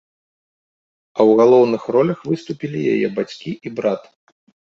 А ў галоўных ролях выступілі яе бацькі і брат.